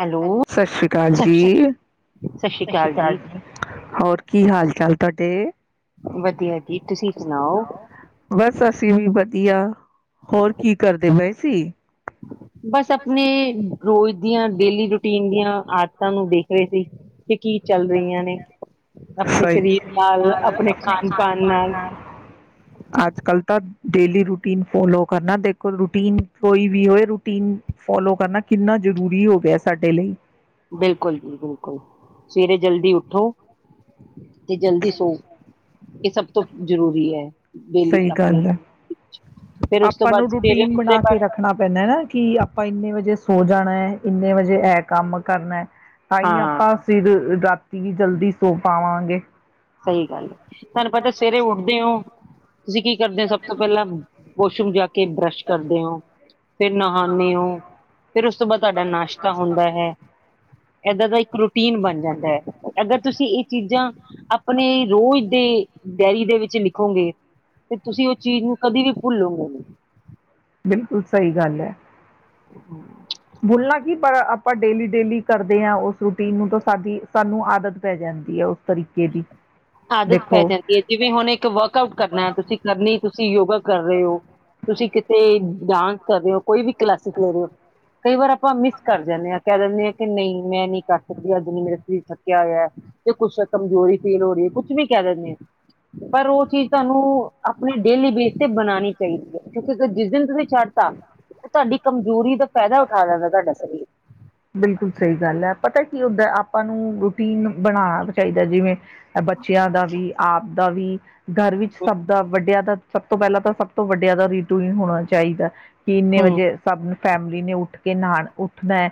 Hello ਸਤਿ ਸ਼੍ਰੀ ਅਕਾਲ ਸ ਜੀ ਸਤਿ ਸਤ ਸ਼੍ਰੀ ਅਕਾਲ ਜੀ ਹੋਰ ਕੀ ਹਾਲ ਚਾਲ ਤੁਡੇ ਵਧੀਆ ਜੀ ਤੁਸੀਂ ਸੁਣਾਓ ਬਸ ਅਸੀਂ ਵੀ ਵਧ ਦੀਆ ਹੋਰ ਕੀ ਕਰਦੇ ਬਾਈ ਸੀ ਬਸ ਆਪਣੇ ਰੋਜ਼ ਦੀਆਂ ਡੇਲੀ ਰੂਟੀਨ ਦੀਆਂ ਆਦਤਾਂ ਨੂੰ ਦੇਖ ਰਹੇ ਸੀ ਕਿ ਕੀ ਚੱਲ ਰਹੀਆਂ ਨੇ ਆਪਣੇ ਸਰੀਰ ਸਹੀ ਨਾਲ ਆਪਣੇ ਖਾਣ ਪਾਨ ਨਾਲ ਅੱਜ ਕੱਲ ਤਾਂ ਡੇਲੀ ਰੂਟੀਨ ਫੋਲੋ ਕਰਨਾ ਦੇਖੋ ਰੂਟੀਨ ਕੋਈ ਵੀ ਹੋਏ ਰੂਟੀਨ ਫੋਲੋ ਕਰਨਾ ਕਿੰਨਾ ਜ਼ਰੂਰੀ ਹੋ ਗਿਆ ਸਾਡੇ ਲਈ ਬਿਲਕੁਲ ਬਿਲਕੁਲ ਸਵੇਰੇ ਜਲਦੀ ਉੱਠੋ ਤੇ ਜਲਦੀ ਸੋ ਇਹ ਸਭ ਤੋਂ ਜ਼ਰੂਰੀ ਹੈ ਡੇਲੀ ਸਹੀ ਆਪਣੀ ਗੱਲ ਹੈ ਫੇਰ ਉਸ ਤੋਂ ਆਪਾਂ ਬਾਅਦ ਨੂੰ ਸਵੇਰੇ ਰੂਟੀਨ ਉੱਠਦੇ ਬਣਾ ਕੇ ਬਾਅਦ ਰੱਖਣਾ ਪੈਂਦਾ ਹੈਾ ਕਿ ਆਪਾਂ ਇੰਨੇ ਵਜੇ ਸੋ ਜਾਣਾ ਇੰਨੇ ਵਜੇ ਹੈ ਕੰਮ ਕਰਨਾ ਤਾਂ ਹੀ ਹਾਂ ਆਪਾਂ ਫਿਰ ਰਾਤੀ ਵੀ ਜਲਦੀ ਸੋ ਪਾਵਾਂਗੇ ਸਹੀ ਗੱਲ ਹੈ ਤੁਹਾਨੂੰ ਪਤਾ ਸਵੇਰੇ ਉੱਠਦੇ ਹੋ ਤੁਸੀਂ ਕੀ ਕਰਦੇ ਹੋ ਸਭ ਤੋਂ ਪਹਿਲਾਂ ਬਸਮ ਜਾ ਕੇ ਬਰਸ਼ ਕਰਦੇ ਹੋ ਫਿਰ ਨਹਾਉਂਦੇ ਹੋ ਫਿਰ ਉਸ ਤੋਂ ਬਾਅਦ ਤੁਹਾਡਾ ਨਾਸ਼ਤਾ ਹੁੰਦਾ ਹੈ ਇਹਦਾਂ ਦਾ ਰੂਟੀਨ ਬਣ ਜਾਂਦਾ ਹੈ ਅਗਰ ਤੁਸੀਂ ਇਹ ਚੀਜ਼ਾਂ ਆਪਣੇ ਰੋਜ਼ ਦੇ ਡੇਅਰੀ ਦੇ ਵਿੱਚ ਲਿਖੋਗੇ ਤੇ ਤੁਸੀਂ ਉਹ ਚੀਜ਼ ਨੂੰ ਕਦੇ ਵੀ ਭੁੱਲੋਗੇ ਨਹੀਂ ਬਿਲਕੁਲ ਸਹੀ ਗੱਲ ਹੈ ਬੁਲਣਾ ਕੀ ਪਰ ਆਪਾਂ ਡੇਲੀ ਡੇਲੀ ਕਰਦੇ ਹਾਂ ਉਸ ਰੂਟੀਨ ਨੂੰ ਤਾਂ ਸਾਡੀ ਸਾਨੂੰ ਆਦਤ ਪੈ ਜਾਂਦੀ ਹੈ ਉਸ ਤਰੀਕੇ ਦੀ ਆਦਤ ਦੇਖੋ ਪੈ ਜਾਂਦੀ ਹੈ ਜਿਵੇਂ ਹੁਣ ਇੱਕ ਵਰਕ ਆਊਟ ਕਰਨਾ ਤੁਸੀਂ ਕਰਨੀ ਤੁਸੀਂ ਯੋਗਾ ਕਰ ਰਹੇ ਹੋ ਤੁਸੀਂ ਕਿਤੇ ਡਾਂਸ ਕਰ ਰਹੇ ਹੋ ਕੋਈ ਵੀ ਕਲਾਸਿਕ ਲੈ ਰਹੇ ਹੋ ਕਈ ਵਾਰ ਆਪਾਂ ਮਿਸ ਕਰ ਜਾਂਦੇ ਹਾਂ ਕਹਿ ਦਿੰਦੇ ਹਾਂ ਕਿ ਨਹੀਂ ਮੈਂ ਨਹੀਂ ਕਰ ਸਕਦੀ ਅੱਜ ਨ ਮੇਰਾ ਸਰੀਰ ਥੱਕਿਆ ਹੋਇਆ ਤੇ ਕੁਛ ਕਮਜ਼ੋਰੀ ਫੀਲ ਹੋ ਰਹੀ ਹੈ ਕੁਛ ਵੀ ਕਹਿ ਦਿੰਦੇ ਹਾਂ ਪਰ ਉਹ ਚੀਜ਼ ਤੁਹਾਨੂੰ ਆਪਣੀ ਡੇਲੀ ਬੇਸ ਤੇ ਬਣਾਉਣੀ ਚਾਹੀਦੀ ਹੈ ਕਿਉਂਕਿ ਜਿਸ ਦਿਨ ਤੁਸੀਂ ਛੱਡਤਾ ਤੁਹਾਡੀ ਕਮਜ਼ੋਰੀ ਦਾ ਫਾਇਦਾ ਉਠਾ ਦਿੰਦਾ ਤੁਹਾਡਾ ਸਰੀਰ ਬਿਲਕੁਲ ਸਹੀ ਗੱਲ ਹੈ ਪਤਾ ਕੀ ਓਦ ਆਪਾਂ ਨੂੰ ਰੂਟੀਨ ਬਣਾਣਾ ਚਾਹੀਦਾ ਜਿਵੇਂ ਬੱਚਿਆਂ ਦਾ ਵੀ ਆਪ ਦਾ ਵੀ ਘਰ ਵਿੱਚ ਸਭ ਦਾ ਵੱਡਿਆਂ ਦਾ ਸਭ ਤੋਂ ਪਹਿਲਾਂ ਤਾਂ ਸਭ ਤੋਂ ਵੱਡਿਆਂ ਦਾ ਰੀਟੂ ਹੋਣਾ ਚਾਹੀਦਾ ਕਿ ਇੰਨੇ ਹਮ ਵਜੇ ਸਭ ਨੂੰ ਫੈਮਿਲੀ ਨੇ ਉੱਠ ਕੇ ਨਣ ਉੱਠਦਾ ਹੈ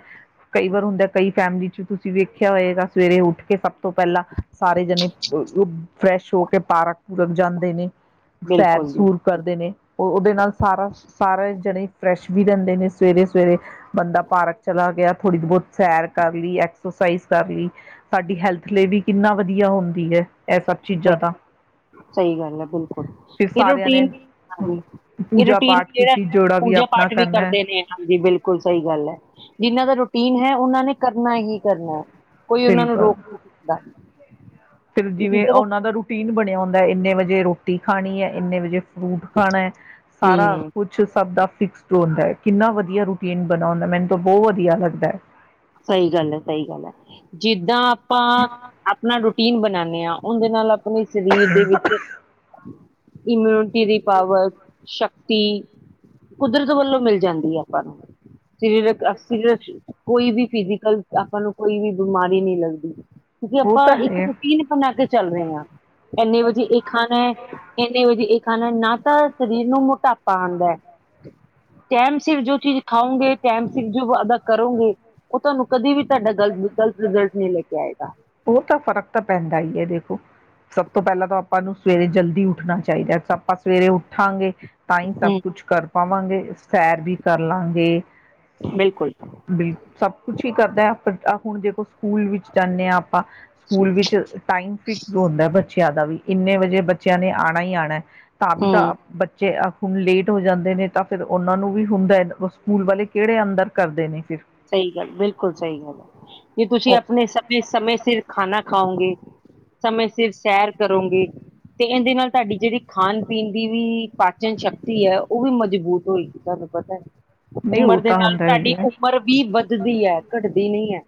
ਕਈ ਵਾਰ ਹੁੰਦ ਕਈ ਫੈਮਿਲੀ ਚ ਤੁਸੀਂ ਵੇਖਿਆ ਹੋਏਗਾ ਸਵੇਰੇ ਉੱਠ ਕੇ ਸਭ ਤੋਂ ਪਹਿਲਾਂ ਸਾਰੇ ਜਣੇ ਫਰੈਸ਼ ਹੋ ਕੇ ਪਾਰਕ ਪੂਰਕ ਜਾਂਦੇ ਨੇ ਸੈਰ ਬਿਲਕੁਲ ਜੀ ਸੂਰ ਬਿਲਕੁਲ ਕਰਦੇ ਨੇ ਉਹਦੇ ਨਾਲ ਸਾਰਾ ਸਾਰਾ ਜਣੇ ਫਰੈਸ਼ ਵੀ ਰਹਿੰਦੇ ਨੇ ਸਵੇਰੇ ਸਵੇਰੇ ਬੰਦਾ ਪਾਰਕ ਚਲਾ ਗਿਆ ਥੋੜ੍ਹੀ ਬਹੁਤ ਸੈਰ ਕਰ ਲਈ, ਐਕਸਰਸਾਈਜ਼ ਕਰ ਲਈ। ਸਾਡੀ ਹੈਲਥ ਲਈ ਵੀ ਕਿੰਨਾ ਵਧੀਆ ਹੁੰਦੀ ਹੈ। ਇਹ ਸਭ ਸਹੀ ਚੀਜ਼ਾਂ ਤਾਂ ਸਹੀ ਗੱਲ ਐ ਬਿਲਕੁਲ। ਫਿਰ ਇਹ ਸਾਰਿਆਂ ਨੇ ਰੂਟੀਨ, ਹਾਂ ਇਹ ਪੂਜਾ ਰੂਟੀਨ ਪਾਠ ਜਿਹੜਾ ਕੀਤੀ ਵੀ ਪੂਜਾ ਆਪਣਾ ਪਾਠ ਵੀ ਕਰਨਾ ਹੈ ਕਰਦੇ ਨੇ, ਹਾਂਜੀ ਬਿਲਕੁਲ ਸਹੀ ਗੱਲ ਐ। ਜਿਹਨਾਂ ਦਾ ਰ ਟੀਨ ਹੈ ਉਹਨਾਂ ਨੇ ਕਰਨਾ ਹੀ ਕਰਨੈ। ਕੋਈ ਉਹਨਾਂ ਨੂੰ ਬਿਲਕੁਲ ਰੋਕ [unintelligible] ਦਾ। ਫਿਰ ਇਹ ਜਿਵੇਂ ਚੀਜ਼ਾਂ ਉਹਨਾਂ ਦਾ ਰੁ ਟੀਨ ਬਣਿਆ ਹੁੰਦੈ, ਇੰਨੇ ਵਜੇ ਰੋਟੀ ਖਾਣੀ ਐ ਇੰਨੇ ਵਜੇ ਫਰੂਟ ਖਾਣਾ ਐ, ਸਾਰਾ ਹੂੰ ਕੁਛ ਸਭ ਦਾ ਫਿਕਸਡ ਹੋਂਦਾ ਐ। ਕਿੰਨਾ ਵਧੀਆ ਰੂਟੀਨ ਬਣਾਉਣੈ, ਮੈਨੂੰ ਤੇ ਬਹੁਤ ਵਧੀਆ ਲੱਗਦੈ। ਸਹੀ ਗੱਲ ਐ। ਸਹੀ ਗੱਲ ਐ। ਜਿੱਦਾਂ ਆਪਾਂ ਆਪਣਾ ਰੂਟੀਨ ਬਣਾ ਦਿਆਂ ਉਹਦੇ ਨਾਲ ਆ ਪਣੇ ਸਰੀਰ ਦੇ ਵਿੱਚ ਇਮਿਉਣ ਟੀ ਦੀ ਪਾਵਰ, ਸ਼ ਤੀ, ਕੁਦਰਤ ਵੱਲੋਂ ਮਿਲ ਜਾਂਦੀ ਐ ਆਪਾਂ ਨੂੰ। ਸਰੀਰਕ ਅਸੀਂ ਜਦ ਕੋਈ ਵੀ ਫਿਜ਼ਕਲ ਆਪਾਂ ਨੂੰ ਕੋਈ ਵੀ ਬਿਮਾਰੀ ਨਈ ਲੱਗਦੀ। ਕੇ ਉਹ ਆਪਾਂ ਤਾਂ ਇੱਕ ਹੈ ਰੂਟੀਨ ਬਣਾ ਕੇ ਚੱਲ ਰਹੇ ਆਂ, ਇੰਨੇ ਵਜੇ ਇਹ ਖਾਣਾ ਏ, ਇੰਨੇ ਵਜੇ ਇਹ ਖਾਣਾ ਏ। ਨਾ ਤਾਂ ਸਰੀਰ ਨੂੰ ਮੋਟਾਪਾ ਆਂਦਾ ਏ ਟਾਈਮ ਸਿਰ ਜੋ ਚੀਜ਼ ਖਾਓਂਗੇ, ਟਾਈਮ ਸਿਰ ਜੋ ਅਦਾ ਕਰੋਂਗੇ ਉਹ ਤੁਹਾਨੂੰ ਕਦੇ ਵੀ ਤੁਹਾਡਾ ਗਲਤ ਗ਼ਲਤ ਰਿਜ਼ਲਟ ਨਹੀਂ ਲੈ ਕੇ ਆਏਗਾ। ਉਹ ਤਾਂ ਫ਼ਰਕ ਤਾਂ ਪੈਂਦਾ ਹੀ ਹੈ ਦੇਖੋ ਸਭ ਤੋਂ ਪਹਿਲਾਂ ਤਾਂ ਆਪਾਂ ਨੂੰ ਸਵੇਰੇ ਜਲਦੀ ਉੱਠਣਾ ਚਾਹੀਦੈ। ਆਪਾਂ ਸਵੇਰੇ ਉੱਠਾਂਗੇ ਤਾਂ ਈਂ ਸਭ ਹਮ ਕੁਛ ਕਰ ਪਾਵਾਂਗੇ, ਸੈਰ ਵੀ ਕਰ ਲਾਂਗੇ। ਬਿਲਕੁਲ ਬਿਲ ਸਭ ਕੁਛ ਈ ਕਰਦਾ ਐ ਆਪ ਫਿਰ ਆ ਹੁਣ ਜੇ ਕੋੋ ਸਕੂਲ ਵਿੱਚ ਜਾਨੇ ਆਂ ਆਪਾਂ, ਸਕੂਲ ਵਿੱਚ ਟਾਈਮ ਫਿਕਸਡ ਹੁੰਦਾ ਬੱਚਿਆਂ ਦਾ ਵੀ। ਇੰਨੇ ਵਜੇ ਬੱਚਿਆਂ ਨੇ ਆਣਾ ਈ ਆਣਾ। ਤਾਂ ਵੀ ਤਾਂ ਹਮ ਆਹ, ਬੱਚੇ ਅਹ ਹੁਣ ਲੇਟ ਹੋ ਜਾਂਦੇ ਨੇ ਤਾਂ ਫਿਰ ਉਹਨਾਂ ਨੂੰ ਵੀ ਹੁੰਦੈ, ਸਕੂਲ ਵਾਲੇ ਕਿਹੜੇ ਅੰਦਰ ਕਰਦੇ ਨੇ ਫਿਰ ਸਹੀ ਗੱਲ। ਬਿਲਕੁਲ। ਸਹੀ ਐ। ਜੇ ਤੁਸੀਂ ਆਪਣੇ ਸਮੇਂ ਸਮੇਂ ਸਿਰ ਖਾਣਾ ਖਾਓਂਗੇ ਸਮੇਂ ਸਿਰ ਉਹ ਸੈਰ ਕਰੋਂਗੇ ਤੇ ਏਂਦੇ ਨਾਲ ਤੁਹਾਡੀ ਜਿਹੜੀ ਖਾਣ ਪੀਣ ਦੀ ਵੀ ਪਾਚਨ ਸ਼ਕਤੀ ਐ, ਉਹ ਵੀ ਮਜ਼ਬੂਤ ਹੋਏਗੀ ਤੁਹਾਨੂੰ ਪਤੈ। ਨਈ ਉਹ ਤਾਂ ਹੁੰਦਾ ਈ ਐ। ਮਰ ਵੀੀ ਵੱਧਦੀ ਹੈ ਘਟਦੀ ਨਹੀਂ ਹੈ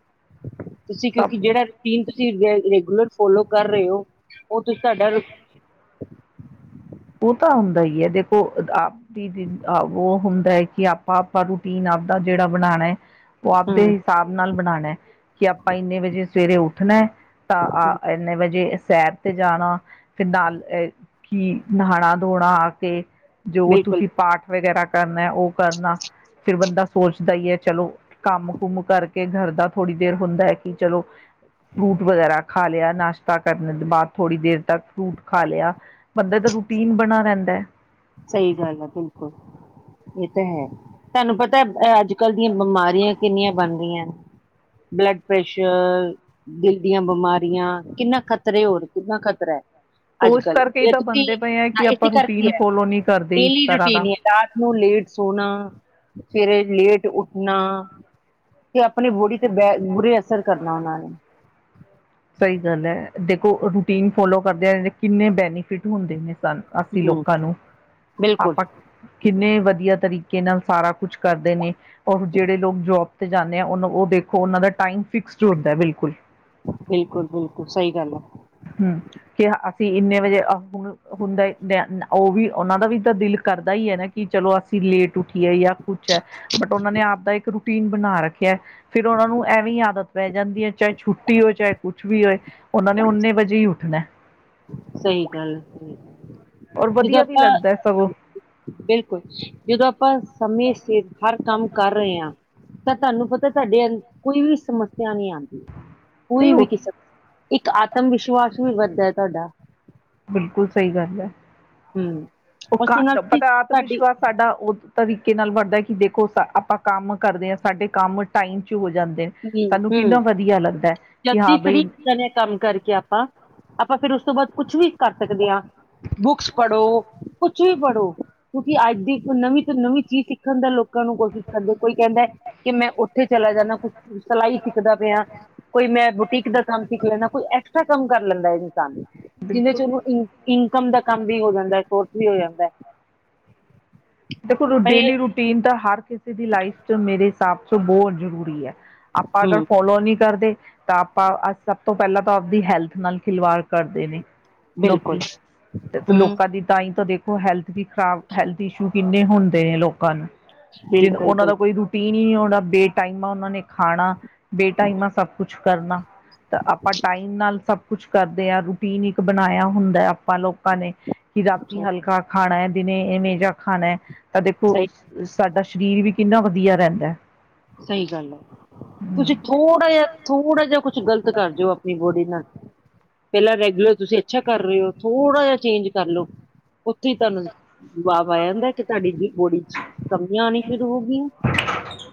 ਤੁਸੀਂ ਸਭ ਕਿਉਂਕਿ ਜਿਹੜਾ ਨ ਤੁਸੀਂ ਰੈਗੂਲਰ ਫੋਲੋ ਕਰ ਰਹੇ ਹੋ ਉਹ ਤੁਸੀ ਤੁਡਾ ਉਹ ਤਾਂ ਹੁੰਦਾ ਹੀ ਹੈ ਦੇਖੋ ਆਪ ਦੀਦੀ ਆਹ ੋ ਹਮ ਕਿ ਆਪਾਂ ਆਪਾਂ ਰੂਟੀਨ ਆਪਦਾ ਜਿਹੜਾ ਬਣਾਉਣਾ ਹੈ ਉਹ ਆਪਦੇ ਹੂੰ, ਹਿਸਾਬ ਨਾਲ ਬਣਾ ਕੇ ਕਿ ਆਪਾਂ ਇੰਨੇ ਵਜੇ ਸਵੇਰੇ ਉੱਠਣਾ ਹੈ ਤਾਂ ਆ ਇੰਨੇ ਵਜੇ ਸੈਰ ਤੇ ਜਾਣਾ ਫਿਰ ਨਾਲ ਕੀ ਨਹਾਣਾ ਦੋਣਾ ਆ ਕੇ ਜੋ ਬਿਲਕੁਲ ਤੁਸੀਂ ਪਾਠ ਵਗੈਰਾ ਕਰਨਾ ਉਹ ਕਰਨਾ ਫਿਰ ਬੰਦਾ ਸੋਚਦਾ ਹੀ ਹੈ ਚਲੋ ਕੰਮ ਕੁਮ ਕਰਕੇ ਘਰ ਦਾ ਥੋੜ੍ਹੀ ਦੇਰ ਹੁੰਦਾ ਹੈ ਕਿ ਚਲੋ ਫਰੂਟ ਵਗੈਰਾ ਖਾ ਲਿਆ ਨਾਸ਼ਤਾ ਕਰਨ ਦੇ ਬਾਅਦ ਥੋੜ੍ਹੀ ਦੇਰ ਤੱਕ ਫਰੂਟ ਖਾ ਲਿਆ ਬੰਦੇ ਤਾਂ ਨ ਬਣਾ ਰਹਿੰਦਾ ਹੈ ਸਹੀ ਗੱਲ ਹੈ ਬਿਲਕੁਲ ਇਹ ਤਾਂ ਹੈ ਤੁਹਾਨੂੰ ਪਤਾ ਅੱਜ ਕੱਲ੍ਹ ਦੀਆਂ ਬਿਮਾਰੀਆਂ ਕਿੰਨੀਆਂ ਬਣ ਰਹੀਆਂ ਬਲੱਡ ਪ੍ਰੈਸ਼ਰ ਦਿਲ ਦੀਆਂ ਬਿਮਾਰੀਆਂ ਕਿੰਨਾ ਖਤਰੇ ਹੋਰ ਕਿੰਨਾ ਖਤਰਾ ਹੈ ਉਹ ਅੱਜ ਇਸ ਕੱਲ੍ਹ ਕਰਕੇ ਹੀ ਇਹ ਤਾਂ ਤੁਸੀਂ ਬੰਦੇ ਪਏ ਹੈ ਹਾਂ ਕਿ ਆਪਾਂ ਇਸੇ ਕਰਕੇ ਰੂਟੀਨ ਹੈ ਫੋਲੋ ਨਹੀਂੀ ਡੇਲੀ ਰੂਟੀਨ ਹੀ ਰਾਤ ਨੂੰ ਲੇਟ ਸੋਣਾ ਸਵੇਰੇ ਲੇਟ ਉੱਠਣਾ ਤੇ ਆਪਣੀ ਬੋਡੀ ਤੇ ਬੈ ਬੁਰੇ ਕਰਨਾ ਉਹਨਾਂ ਨੇ ਸਹੀ ਗੱਲ ਹੈ ਦੇਖੋ ਰੂਟੀਨ ਫੋਲੋ ਕਰਦੇਿਆਂ ਕਿੰਨੇ ਬੈਨੀਫਿਟ ਹੁੰਦੇ ਨੇ ਸਨ ਅੱਸੀ ਹਮ ਲੋਕਾਂ ਨੂੰ ਬਿਲਕੁਲ ਆਪਾਂ ਕਿੰਨੇ ਵਧੀਆ ਤਰੀਕੇ ਨਾਲ ਸਾਰਾ ਕੁਛ ਕਰਦੇ ਨੇ, ਔਰ ਜਿਹੜੇ ਲੋਕ ਜੋਬ ਤੇ ਜਾਂਦੇ ਆ, ਉਹ ਉਹ ਦੇਖੋ ਉਹਨਾਂ ਦਾ ਟਾਈਮ ਫਿਕਸਡ ਹੁੰਦਾ ਬਿਲਕੁਲ। ਬਿਲਕੁਲ, ਬਿਲਕੁਲ, ਸਹੀ ਗੱਲ ਹੈ। ਹੂੰ, ਕਿ ਇੰਨੇ ਵਜੇ ਹੁਣ ਹੁੰਦਾ, ਉਹ ਵੀ ਉਹਨਾਂ ਦਾ ਵੀ ਤਾਂ ਦਿਲ ਕਰਦਾ ਹੀ ਹੈ ਨਾ ਕਿ ਚਲੋ ਅਸੀਂ ਲੇਟ ਉੱਠੀਏ ਜਾਂ ਕੁਛ ਹੈ, ਬਟ ਉਹਨਾਂ ਨੇ ਆਪ ਦਾ ਇੱਕ ਰੂਟੀਨ ਬਣਾ ਰੱਖਿਆ। ਫਿਰ ਉਹਨਾਂ ਨੂੰ ਐਵੇਂ ਆਦਤ। ਪੈ ਜਾਂਦੀ ਹੈ, ਚਾਹੇ ਛੁੱਟੀ ਹੋਵੇ, ਚਾਹੇ ਕੁਛ ਵੀ ਹੋਏ। ਉਹਨਾ ਨੇ ਉਨੇ ਵਜੇ ਹੀ ਉੱਠਣਾ। ਸਹੀ ਗੱਲ ਹੈ ਔਰ ਜਦੋਂ ਵਧੀਆ ਵੀ ਆਪਾਂ ਲੱਗਦਾ ਸਗੋਂ। ਬਿਲਕੁਲ, ਜਦੋਂ ਆਪਾਂ ਸਮੇਂ ਸਿਰ ਹਰ ਕੰਮ ਕਰ ਰਹੇ ਹਾਂ। ਤਾਂ ਤੁਹਾਨੂੰ ਪਤਾ ਤੁਹਾਡੇ ਅੰ ਕੋਈ ਵੀ ਸਮੱਸਿਆ ਨਹੀਂ ਆ। ਨਹੀਂ ਕੋਈ ਉਹ ਵੀ ਕਿਸਮ। ਇੱਕ ਆਤਮ ਵਿਸ਼ਵਾਸ ਵੀ ਵੱਧਦਾ ਹੈ, ਤੁਹਾਡਾ। ਬਿਲਕੁਲ ਸਹੀ ਗੱਲ ਹੈ ਹਮ ਉਸ ਦੇ ਨਾਲ ਤੁਸੀਂ ਪਤਾ ਆਤਮ ਤੁਹਾਡੀ ਵਿਸ਼ਵਾਸ ਸਾਡਾ ਤਵੀਕੇ ਨਾਲ ਵਧਦਾ ਕਿ ਦੇਖੋ ਆਪਾਂ ਕੰਮ ਕਰਦੇ ਆਂ, ਸਾਡੇ ਕੰਮ ਟਾਈਮ ਚ ਹੋ ਜਾਂਦੇ ਨੇ ਹਮਮ ਸਾਨੂੰ ਕਿੰਨਾ ਹਮਮ, ਵਧੀਆ ਲੱਗਦਾ ਕਿ ਹਾਂ ਜਲਦੀ ਫਰੀ ਬਈ ਹੋ ਜਾਣੇ ਆ ਕੰਮ ਕਰਕੇ ਆਪਾਂ, ਆਪਾਂ ਫਿਰ ਤੋਂ ਬਾਅਦ ਕੁਛ ਵੀ ਕਰ ਸਕਦੇ ਆਂ। ਬੁੱਕਸ ਪੜ੍ਹੋ, ਕੁਛ ਵੀ ਪੜ੍ਹੋ, ਕਿਉਂਕਿ ਅੱਜ ਦੀ ਨਵੀਂ ਤੋਂ ਨਵੀਂ ਚੀਜ਼ ਸਿੱਖਣ ਦਾ ਲੋਕ ਕਨੂ ਕੋਸ਼ਿਸ਼ ਕਰਦੇ, ਕੋਈ ਕਹਿੰਦੈ ਕਿ ਮੈਂ ਉੱਥੇ ਚਲਾ ਜਾਂਦਾ, ਕੁਛ ਅਈ ਸਿੱਖਦਾ ਪਿਆਂ, ਕੋਈ ਮੈਂ ਬੁਟੀਕ ਦਾ ਕੰਮ ਸਿੱਖ ਲੈਂਨਾ, ਕੋਈ ਐਕਸਟਰਾ ਕੰਮ ਕਰ ਲੈਂਦਾ ਹੈ ਜੀ। ਦਾ। ਜਿੰਨੇ ਬਿਲਕੁਲ ਚਿਰ ਨੂੰ [unintelligible] ਕੰਮ ਦਾ ਕੰਮ ਵੀ ਹੋ ਜਾਂਦਾ, ਕੋਰਸ ਵੀ ਹੋ ਜਾਂਦੈ। ਦੇਖੋ, ਰੁ ਡੇਲੀ ਰੂਟੀਨ ਤਾਂ ਹਰ ਕਿਸੇ ਦੀ ਲਾਈਫ ਚ ਮੇਰੇ ਤਪ ਚ ਬਹੁਤ ਜ਼ਰੂਰੀ ਐ। ਆਪਾਂ ਅਗਰ ਹਮ ਫੋਲੋ ਨੀ ਕਰਦੇ ਤਾਂ ਆਪਾਂ ਅੱਛਾ ਤੋਂ ਪਹਿਲਾਂ ਤਾਂ ਆਪ ਦੀ ਹੈਲਥ ਨਾਲ ਖਿਲਵਾੜ ਕਰਦੇ ਨੇ। ਬਿਲਕੁਲ ਲੋਕੀ ਤੇ ਤੇ ਹਮ ਲੋਕਾਂ ਦੀ, ਤਾਂ ਈ ਤਾਂ ਦੇਖੋ ਹੈਲਥ ਵੀ ਖਰਾਬ, ਹੈਲਥ ਇਸ਼ੂ ਕਿੰਨੇ ਹੁੰਦੇ ਨੇ ਲੋਕਾਂ ਨੂੰ ਜਿਦ ਬਿਲਕੁਲ ਉਹਨਾਂ ਦਾ ਕੋਈ ਰੁਟੀਨ ਈ ਨੀ ਆਉਣਾ, ਬੇਟਾਈਮਾ ਉਹਨਾਂ ਨੇ ਖਾਣਾ ਬੇਟਾਈਮਾ ਸਭ ਕੁਛ ਕਰਨਾ ਤਾਂ ਆਪਾਂ ਟਾਈਮ ਨਾਲ ਸਭ ਕੁਛ ਕਰਦੇ ਆ, ਰੂਟੀਨ ਇੱਕ ਬਣਾਇਆ ਹੁੰਦਾ ਆਪਾਂ ਲੋਕਾਂ ਨੇ ਕਿ ਰਾਤੀ ਬਿਲਕੁਲ ਹਲਕਾ ਖਾਣਾ ਐ ਦਿਨੇ ਇਹਵੇਂ ਜਾ ਖਾਣਾ ਏ। ਤਾਂ ਦੇਖੋ ਸਹੀ ਸਾਡਾ ਸ਼ਰੀਰ ਵੀ ਕਿੰਨਾ ਵਧੀਆ ਰਹਿੰਦੈ। ਸਹੀ ਗੱਲ ਐ। ਤੁਸੀਂ ਥੋੜਾ ਜਿਹਾ ਥੋੜ੍ਹਾ ਜਿਹਾ ਕੁਛ ਗ਼ਲਤ ਕਰ ਜਾਓ ਆਪਣੀ ਬੋਡੀ ਨਾਲ ਪਹਿਲਾਂ ਰੈਗੂਲਰ ਤੁਸੀਂ ਅੱਛਾ ਕਰ ਰਹੇ ਓ, ਥੋੜ੍ਹਾ ਜਿਹਾ ਚੇਂਜ ਕਰਲੋ, ਉੱਥੇ ਈ ਤੁਹਾਨੂੰ ਜਵਾਬ ਆ ਜਾਂਦਾ ਕਿ ਤੁਹਾਡੀ ਈ ਬੋਡੀ ਚ ਕਮੀਆਂ ਆਣੀ ਤੋਂ ਵੀ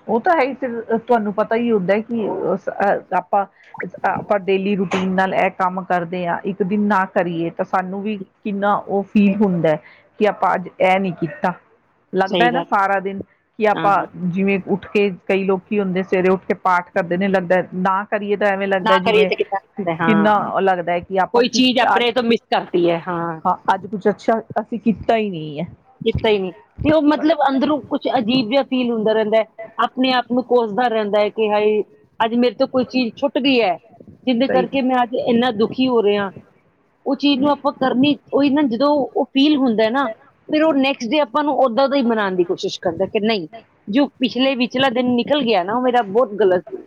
ਉਹ ਤਾਂ ਹੈ ਈ। ਫਿਰ ਤੁਹਾਨੂੰ ਪਤਾ ਹੀ ਹੁੰਦਾ ਕਿ ਓ ਅਹ ਸ ਐ ਆ ਆਪਾਂ ਅ-ਆਪਾਂ ਡੇਲੀ ਰੁ ਨਾਲ ਇਹ ਕੰਮ ਕਰਦੇ ਹਾਂ ਇੱਕ ਦਿਨ ਨਾ ਕਰੀਏ ਤਾਂ ਸਾਨੂੰ ਵੀ ਕਿੰਨਾ ਉਹ ਫੀਲ ਹੁੰਦੈ ਕਿ ਆਪਾਂ ਅੱਜ ਐਹ ਨੀ ਕੀਤਾ ਲੱਗਦਾ ਹੈ ਸਹੀ ਨਾ ਗੱਲ ਸਾਰਾ ਦਿਨ ਕਿ ਆ [unintelligible] ਆਪ ਹਾਂ ਜਿਵੇਂ ਉੱਠ ਕੇ ਕਈ ਲੋਕੀ ਹੁੰਦੇ ਸਵੇਰੇ ਉੱਠ ਕੇ ਪਾਠ ਕਰਦੇ ਨੀ ਲੱਗਦਾ ਐ ਡਾ ਕਰੀਏ ਤਾਂ ਐਵੇਂ ਨਾ ਲੱਗਦਾ ਕਰੀਏ ਜਿਵੇਂ ਤੇ ਕਿੱਦਾਂ ਹੁੰਦਾ ਹੈ। ਕਿੰਨਾ ਹਾਂ ਉਹ ਲੱਗਦਾ ਹੈ ਕਿ ਆਪਾਂ ਕੋਈ ਕਿ ਚੀਜ਼ ਅੱਜ ਆਪਣੇ ਤੋਂ ਮਿਸ ਕਰਤੀ ਹੈ ਹਾਂ ਅੱਜ ਕੁੱਛ ਅੱਛਾ ਅਸੀਂ ਕੀਤਾ ਹੀ ਨਹੀਂ ਹੈ ਕੀਤਾ ਹੀ ਨੀ ਤੇ ਉਹ ਮਤਲਬ ਅੰਦਰੋਂ ਕੁਛ ਅਜੀਬ ਬਸ ਵਿ ਫੀਲ ਹੁੰਦਾ ਰਹਿੰਦਾ ਆਪਣੇ ਆਪ ਨੂੰ ਕੋਸਦਾ ਰਹਿੰਦਾ ਹੈ ਕਿ ਹਾਈ ਅੱਜ ਮੇਰੇ ਤੋਂ ਕੋਈ ਚੀਜ਼ ਛੁੱਟਦੀ ਹੈ ਜਿਹਦੇ ਸਹੀ ਕਰਕੇ ਮੈਂ ਹੈ। ਅੱਜ ਇੰਨਾ ਦੁੱਖ ਕੀ ਹੋ ਰਿਹਾ ਉਹ ਚੀਜ਼ ਨੂੰ ਆਪਾਂ ਕਰਨੀ ਉਹੀ ਨਾ [unintelligible] ਫੀਲ ਹੁੰਦਾ ਐ ਨਾ ਨੈਕਸ ਡੇ ਆਪ ਆਪਾਂ ਨੂੰ ਓਦਾਂ ਤੋਂ ਹੀ ਬਣਾਣ ਦੀ ਕੋਸ਼ਿਸ਼ ਕਰਦਾ ਕਿ ਨਹੀਂ ਜੋ ਪਿਛਲੇ ਵੀ ਚਲਾ ਦ [unintelligible] ਨਿਕਲ ਗਿਆ ਨਾ ਉਹ ਮੇਰਾ ਬਹੁਤ ਗਲਤ ਸੀ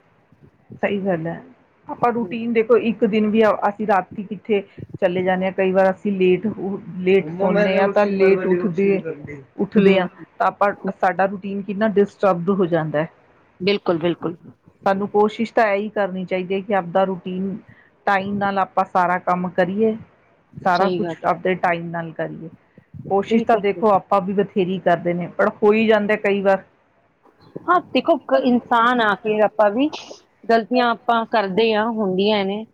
ਸਹੀ ਗੱਲ ਹੈ ਆਪਾਂ ਰੂਟੀਨ ਦੇਖੋ ਇ ਇੱਕ ਦਿਨ ਵੀ [unintelligible] ਅਸੀਂ ਰਾਤ ਕਿੱਥੇ ਚਲੇ ਜਾਂਦੇ ਹਾਂ ਕਈ ਵਾਰ ਲੇਟ ਲੇਟ ਪਾਉਂਦੇ ਹ [unintelligible] ਤਾਂ ਲੇਟ ਉੱਠਦੇ ਉੱਠਦੇ ਹਾਂ ਹਮ ਤਾਂ ਆਪਾਂ ਸਾਡਾ [unintelligible] ਕਿੰਨਾ ਡਿਸਟਰਬ ਹੋ ਜਾਂਦਾ ਹੈ ਬਿਲਕੁਲ ਬਿਲਕੁਲ ਸਾਨੂੰ ਕੋਸ਼ਿਸ਼ ਤਾਂ ਹੈਈ ਕਰਨੀ ਚਾਹੀਦੀ ਹੈ ਕਿ ਆਪਦਾ ਰੂਟੀਨ ਟਾਈਮ ਨਾਲ ਆਪਾਂ ਸਾਰਾ ਕੰਮ ਕਰੀਏ ਸਾਰਾ ਸਹੀ ਕੁੱਛ ਗੱਲ ਆਪਦੇ ਟਾਈਮ ਨਾਲ ਕੀਕਰੀਏ ਕੋਸ਼ਿਸ਼ ਤਾਂ ਬਿਲਕੁਲ ਦੇਖੋ ਆਪਾਂ ਵੀ ਵਧੀਆ ੇਰੀ ਕਰਦੇ ਨੇ ਪਰ ਹੋਈ ਜਾਂਦੇ ਕਈ ਵਾਰ ਹਾਂ ਦੇਖੋ ਇੱਕ ਇਨਸਾਨ ਆ ਕੇਿਰ ਆਪਾਂ ਵੀ ਗਲਤੀਆਂ ਆਪਾਂ ਕਰਦੇ ਹਾਂ ਹੁੰਦੀਆਂ ਨੇ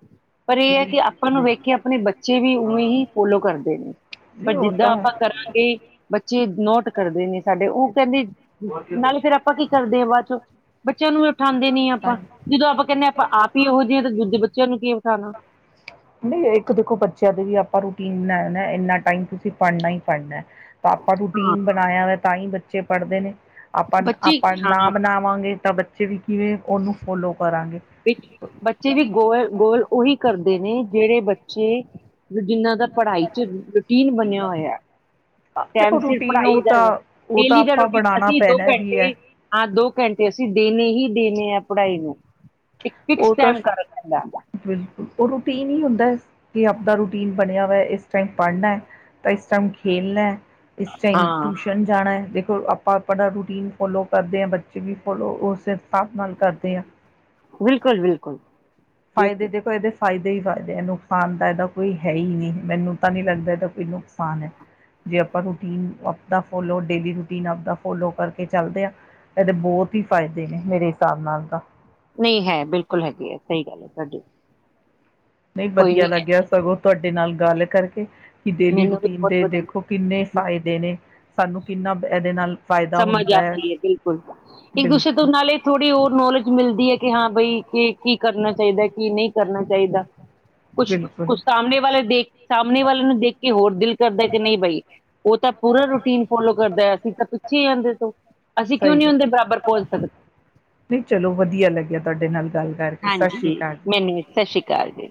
ਪਰ ਇਹ ਹੈ ਕਿ ਆਪਾਂ ਨੂੰ ਵੇਖ ਕੇ ਆਪਣੇ ਬੱਚੇ ਵੀ ਉਵੇਂ ਹੀ ਫੋਲੋ ਕਰਦੇ ਨੇ ਪਰ ਨਹੀਂ ਉਹ ਜਿੱਦਾਂ ਤਾਂ ਆਪਾਂ ਕਰਾਂਗੇ ਬੱਚੇ ਨੋਟ ਕਰਦੇ ਨੇ ਸਾਡੇ ਉਹ ਸੰਦੀਪ ਨਾਲੇ ਫੇਰ ਆਪਾਂ ਕੀ ਕਰਦੇ ਹਾਂ ਬਾਅਦ ਚੋਂ ਬੱਚਿਆਂ ਨੂੰ ਵੀ ਉਠਾਉਂਦੇ ਨ ਤਾਂ ਆਪਾਂ ਜਦੋਂ ਆਪਾਂ ਕਹਿੰਦੇ ਹਾਂ ਆਪਾਂ ਆਪ ਹੀ ਇਹੋ ਜਿਹੇ ਹ ਤਾਂ ਦੂਜੇ ਬੱਚਿਆਂ ਨੂੰ ਕੀ ਉਠਾਉਣਾ ਨਹੀਂ ਇੱਕ ਦੇਖੋ ਬੱਚਿਆਂ ਦੇ ਵੀ ਆਪਾਂ ਰੂਟੀਨ ਨਾ ਇੰਨਾ ਟਾਈਮ ਤੁਸੀਂ ਪੜਨਾ ਹੀ ਪੜਨਾ ਹੈ ਤਾਂ ਆਪਾ ਹਾਂ ਰੂਟੀਨ ਬਣਾਇਆ ਵੇ ਤਾਂ ਹੀ ਬੱਚੇ ਪੜ੍ਹਦੇ ਨੇ ਆਪਾਂ ਬੱਚੇ ਆਪਾਂ ਨਾ ਹਾਂ ਬਣਾਵਾਂਗੇ [unintelligible] ਤਾਂ ਬੱਚੇ ਜਿਵੇ ਕਿਵੇਂ ਉਹਨੂੰ ਫੋਲੋ ਕਰਾਂਗੇ ਵਿੱਚ ਬੱਚੇ ਵੀ ਗੋਲ ਗੋਲ ਉਹੀ ਕਰਦੇ ਨੇ ਜਿਹੜੇ ਬੱਚੇ ਜਿੰਨਾਂ ਦਾ ਪੜ੍ਹਾਈ ਚ ਰੂਟੀਨ ਬਣਿਆ ਹੋਇਆ ਦੇਖੋ ਟਾਈਮ ਸਿਰ ਰੂਟੀਨ ਉਹ ਪੜ੍ਹਾਈ ਦਾ ਤਾਂ ਉਹ ਤਾਂ ਡੇਲੀ ਦਾ ਆਪਾਂ ਰੂਟੀਨ ਬਣਾਉਣਾ ਅਸੀਂ ਦੋ ਪੈਣਾ ਵੀ ਘੰਟੇ ਹੈ। ਹਾਂ ਦੋ ਘੰਟੇ ਅਸੀਂ ਦਿਨ ਹੀ ਦੇਨੇ ਆ ਪੜ੍ਹਾਈ ਨੂੰ ਇੱਕ ਫਿਕਸ ਉਹ ਤਾਂ ਟਾਈਮ ਕਰਾ ਨਾ ਪੈਂਦਾ ਬਿਲਕੁਲ ਉਹ ਰੂਟੀਨ ਹੀ ਨਹੀਂ ਹੁੰਦਾ ਕਿ ਅਪਣਾ ਰੂਟੀਨ ਬਣਿਆ ਇਸ ਟਾਈਮ ਪੜ੍ਹਨਾ ਤਾਂ ਇਸ ਟਾਈਮ ਖੇਲਣਾ ਇਸ ਟਾਈਮ ਹਾਂ ਟਿਊਸ਼ਨ ਜਾਣਾ ਹ ਦੇਖੋ ਆਪਾਂ ਆਪਣਾ ਰੂਟੀਨ ਫੋਲੋ ਕਰਦੇ ਹਾਂ ਬੱਚੇ ਵੀ ਫੋਲੋ ਉਸ ਹਿਸਾਬ ਨਾਲ ਕਰਦੇ ਆ ਬਿਲਕੁਲ ਬਿਲਕੁਲ ਫਾਇਦੇ ਬਿਲਕੁਲ ਦੇਖੋ ਇਹਦੇ ਫਾਇਦੇ ਹੀ ਫਾਇਦੇ ਹੈ ਨੁਕਸਾਨ ਤਾਂ ਇਹਦਾ ਕੋਈ ਹੈ ਹੀ ਨਹੀਂ ਮੈਨੂੰ ਤਾਂ ਨਹੀਂ ਲੱਗਦਾ ਇਹਦਾ ਕੋਈ ਨੁਕਸਾਨ ਹੈ ਜੇ ਆਪਾਂ ਰੂਟੀਨ ਆਪਦਾ ਫੋਲੋ ਡੇਲੀ ਰੂਟੀਨ ਆਪਦਾ ਫੋਲੋ ਕਰਕੇ ਚੱਲਦੇ ਹਾਂ ਇਹਦੇ ਬਹੁਤ ਹੀ ਫ਼ਾਇਦੇ ਨੇ ਮੇਰੇ ਹਿਸਾਬ ਨਾਲ ਤਾਂ ਨਹੀਂ ਹੈ ਬਿਲਕੁਲ ਹੈਗੀ ਹੈ ਸਹੀ ਗੱਲ ਹੈ ਹਾ ਜੀ ਨਹੀਂ ਵਧੀਆ ਲੱਗੀਆ ਸਗੋਂ ਤੁਹਾਡੇ ਨਾਲ ਗੱਲ ਕਰਕੇ ਤਾ ਕੇ ਡੇਲੀ ਮੈਨੂੰ ਵੀ ਰੂਟੀਨ ਬਹੁਤ ਦੇ ਵਧੀਆ ਦੇਖੋ ਕਿੰਨੇ ਫ਼ਾਇਦੇ ਨੇ ਸਾਨੂੰ ਕਿੰਨਾ ਇਹ ਦੇ ਨਾਲ ਫਾਇਦਾ ਹੁੰਦਾ ਹੈ ਬਿਲਕੁਲ ਇਕ ਦੂਸਰੇ ਤੋਂ ਬਿਲਕੁਲ ਨਾਲੇ ਥੋੜੀ ਉਹ ਨੌਲੇਜ ਮਿਲਦੀ ਹੈ ਕਿ ਹਾਂ ਬਈ ਕੀ ਕਰਨਾ ਚਾਹੀਦਾ ਕੀ ਨਹੀਂ ਕਰਨਾ ਚਾਹੀਦਾ ਉਸ ਬਿਲਕੁਲ ਸਾਹਮਣੇ ਵਾਲੇ ਸਾਹਮਣੇ ਵਾਲੇ ਨੂੰ ਦੇਖ ਕੇ ਹੋਰ ਦਿਲ ਕਰਦਾ ਜੇ ਨਹੀਂ ਬਈ ਉਹ ਤਾਂ ਪੂਰੇ ਰੂਟੀਨ ਫੋਲੋ ਕਰਦਾ ਅ ਸੀਂ ਤਾਂ ਕੀ ਆਦੇ ਤੋਂ ਅਸੀਂ ਕਿਉਂ ਸਹੀ ਨਹੀਂ ਉਹਦੇ ਗਲ ਬਰਾਬਰ ਪਹੁੰਚ ਸਕਦੇ ਨਹੀਂ ਚਲੋ ਵਧੀਆ ਲੱਗਿਆ ਤੁਹਾਡੇ ਨਾਲ ਗੱਲ ਕਰ ਕੇ ਹਾਂਜੀ ਨਹੀ ਨੀ ਸਤਿ ਸ਼੍ਰੀ ਅਕਾਲ ਜੀ